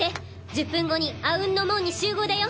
１０分後にあうんの門に集合だよ！